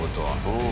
うん。